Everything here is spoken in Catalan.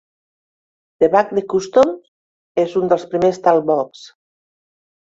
The Bag de Kustom és un dels primers talk box.